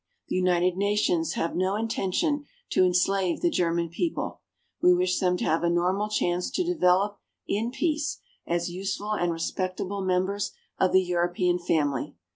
The United Nations have no intention to enslave the German people. We wish them to have a normal chance to develop, in peace, as useful and respectable members of the European family.